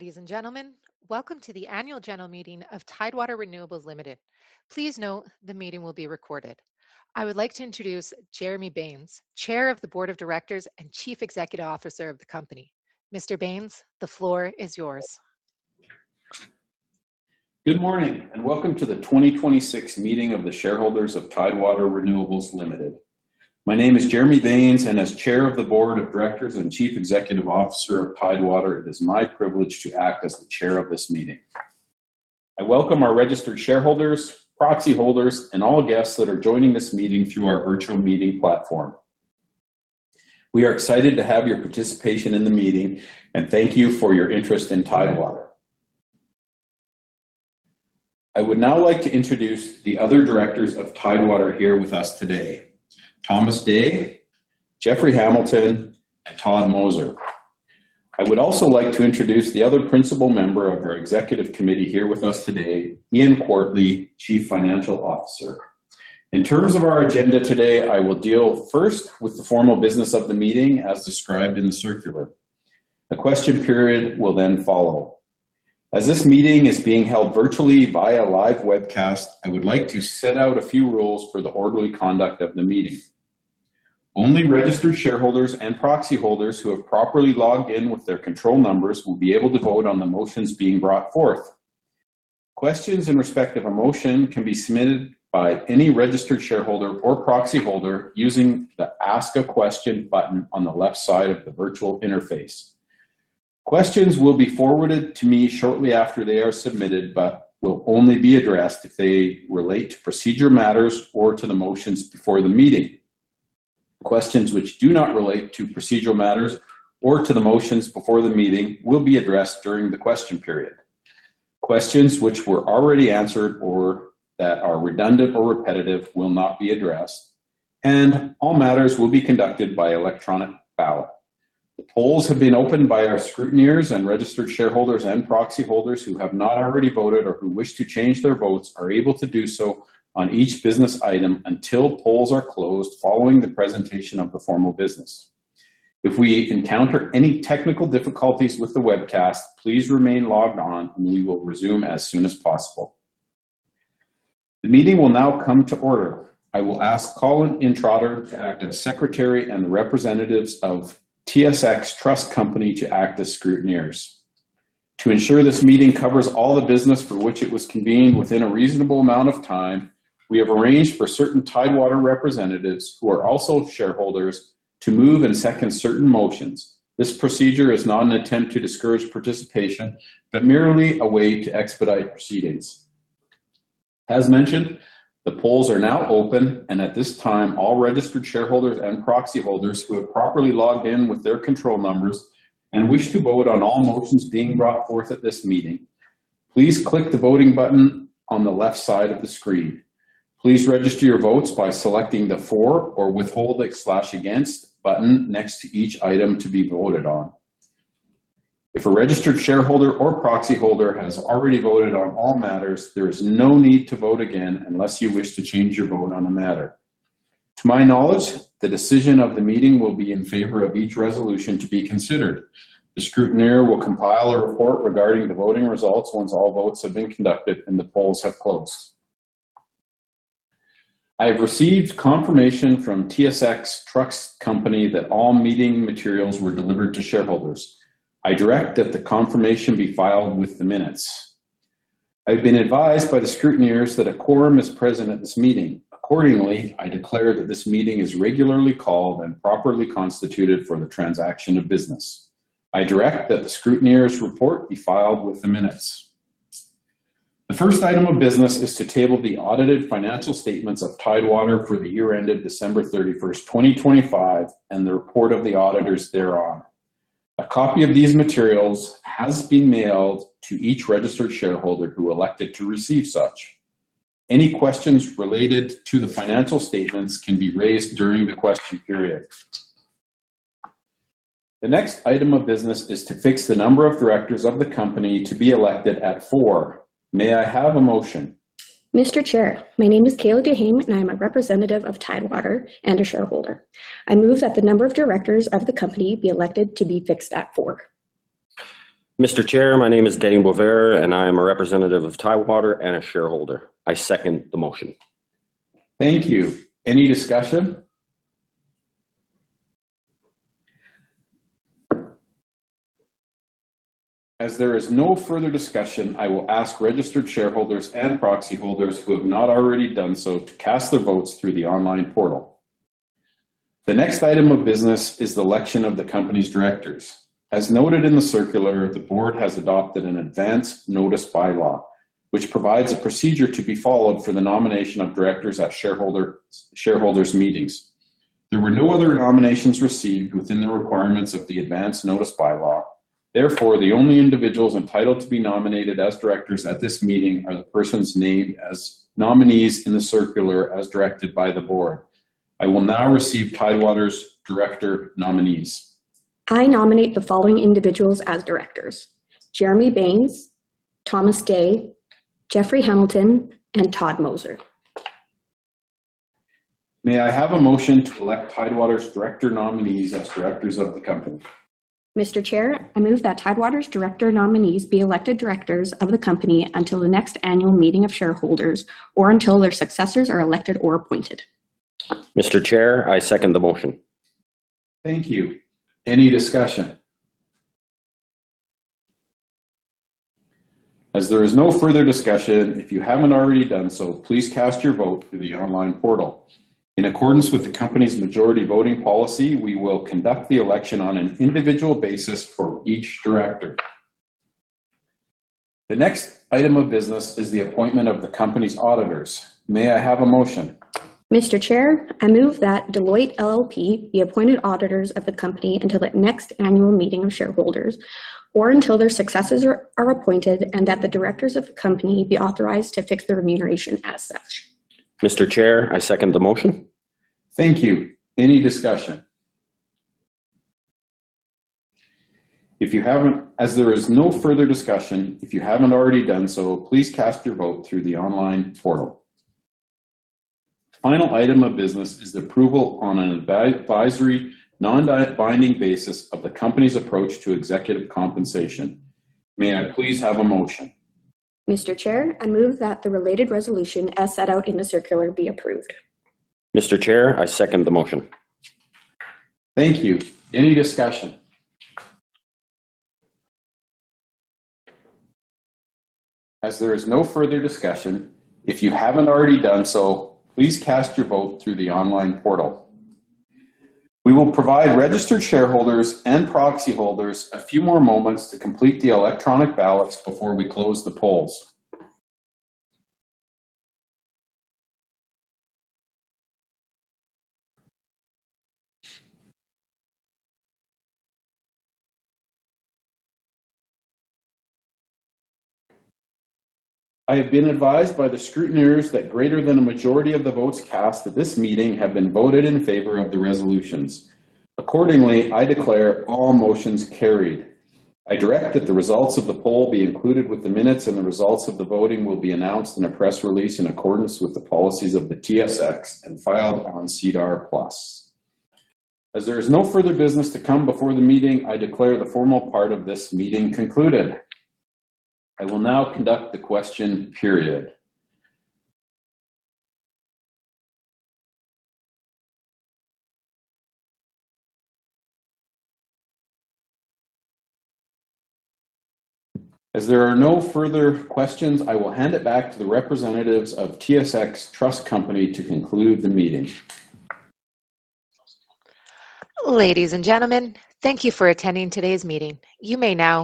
Ladies and gentlemen, welcome to the annual general meeting of Tidewater Renewables Limited. Please note, the meeting will be recorded. I would like to introduce Jeremy Baines, Chair of the Board of Directors and Chief Executive Officer of the company. Mr. Baines, the floor is yours. Good morning, and welcome to the 2026 meeting of the shareholders of Tidewater Renewables Limited. My name is Jeremy Baines, and as Chair of the Board of Directors and Chief Executive Officer of Tidewater, it is my privilege to act as the chair of this meeting. I welcome our registered shareholders, proxy holders, and all guests that are joining this meeting through our virtual meeting platform. We are excited to have your participation in the meeting, and thank you for your interest in Tidewater. I would now like to introduce the other directors of Tidewater here with us today, Thomas Dea, Jeffrey Hamilton, and Todd Moser. I would also like to introduce the other principal member of our executive committee here with us today, Ian Quartly, Chief Financial Officer. In terms of our agenda today, I will deal first with the formal business of the meeting as described in the circular. A question period will follow. As this meeting is being held virtually via live webcast, I would like to set out a few rules for the orderly conduct of the meeting. Only registered shareholders and proxy holders who have properly logged in with their control numbers will be able to vote on the motions being brought forth. Questions in respect of a motion can be submitted by any registered shareholder or proxy holder using the Ask a Question button on the left side of the virtual interface. Questions will be forwarded to me shortly after they are submitted, but will only be addressed if they relate to procedural matters or to the motions before the meeting. Questions which do not relate to procedural matters or to the motions before the meeting will be addressed during the question period. Questions which were already answered or that are redundant or repetitive will not be addressed, and all matters will be conducted by electronic ballot. The polls have been opened by our scrutineers, and registered shareholders and proxy holders who have not already voted or who wish to change their votes are able to do so on each business item until polls are closed following the presentation of the formal business. If we encounter any technical difficulties with the webcast, please remain logged on and we will resume as soon as possible. The meeting will now come to order. I will ask Collin Intrater to act as secretary and representatives of TSX Trust Company to act as scrutineers. To ensure this meeting covers all the business for which it was convened within a reasonable amount of time, we have arranged for certain Tidewater representatives, who are also shareholders, to move and second certain motions. This procedure is not an attempt to discourage participation, but merely a way to expedite proceedings. As mentioned, the polls are now open, and at this time, all registered shareholders and proxy holders who have properly logged in with their control numbers and wish to vote on all motions being brought forth at this meeting, please click the voting button on the left side of the screen. Please register your votes by selecting the For or Withhold/Against button next to each item to be voted on. If a registered shareholder or proxy holder has already voted on all matters, there is no need to vote again unless you wish to change your vote on the matter. To my knowledge, the decision of the meeting will be in favor of each resolution to be considered. The scrutineer will compile a report regarding the voting results once all votes have been conducted and the polls have closed. I've received confirmation from TSX Trust Company that all meeting materials were delivered to shareholders. I direct that the confirmation be filed with the minutes. I've been advised by the scrutineers that a quorum is present at this meeting. Accordingly, I declare that this meeting is regularly called and properly constituted for the transaction of business. I direct that the scrutineers' report be filed with the minutes. The first item of business is to table the audited financial statements of Tidewater for the year ended December 31st, 2025, and the report of the auditors thereon. A copy of these materials has been mailed to each registered shareholder who elected to receive such. Any questions related to the financial statements can be raised during the question period. The next item of business is to fix the number of directors of the company to be elected at four. May I have a motion? Mr. Chair, my name is Kayla Duheme, I am a representative of Tidewater and a shareholder. I move that the number of directors of the company be elected to be fixed at four. Mr. Chair, my name is [Danny Bovera], and I am a representative of Tidewater and a shareholder. I second the motion. Thank you. Any discussion? As there is no further discussion, I will ask registered shareholders and proxy holders who have not already done so to cast their votes through the online portal. The next item of business is the election of the company's directors. As noted in the circular, the board has adopted an advance notice bylaw, which provides a procedure to be followed for the nomination of directors at shareholders meetings. There were no other nominations received within the requirements of the advance notice bylaw. Therefore, the only individuals entitled to be nominated as directors at this meeting are the persons named as nominees in the circular as directed by the board. I will now receive Tidewater's director nominees. I nominate the following individuals as directors: Jeremy Baines, Thomas Dea, Jeffrey Hamilton, and Todd Moser. May I have a motion to elect Tidewater's director nominees as directors of the company? Mr. Chair, I move that Tidewater's director nominees be elected directors of the company until the next annual meeting of shareholders or until their successors are elected or appointed. Mr. Chair, I second the motion. Thank you. Any discussion? As there is no further discussion, if you haven't already done so, please cast your vote through the online portal. In accordance with the company's majority voting policy, we will conduct the election on an individual basis for each director. The next item of business is the appointment of the company's auditors. May I have a motion? Mr. Chair, I move that Deloitte LLP be appointed auditors of the company until the next annual meeting of shareholders, or until their successors are appointed, and that the directors of the company be authorized to fix their remuneration as such. Mr. Chair, I second the motion. Thank you. Any discussion? As there is no further discussion, if you haven't already done so, please cast your vote through the online portal. The final item of business is approval on an advisory, non-binding basis of the company's approach to executive compensation. May I please have a motion? Mr. Chair, I move that the related resolution as set out in the circular be approved. Mr. Chair, I second the motion. Thank you. Any discussion? As there is no further discussion, if you haven't already done so, please cast your vote through the online portal. We will provide registered shareholders and proxy holders a few more moments to complete the electronic ballots before we close the polls. I have been advised by the scrutineers that greater than a majority of the votes cast at this meeting have been voted in favor of the resolutions. Accordingly, I declare all motions carried. I direct that the results of the poll be included with the minutes, and the results of the voting will be announced in a press release in accordance with the policies of the TSX and filed on SEDAR+. As there is no further business to come before the meeting, I declare the formal part of this meeting concluded. I will now conduct the question period. As there are no further questions, I will hand it back to the representatives of TSX Trust Company to conclude the meeting. Ladies and gentlemen, thank you for attending today's meeting. You may now.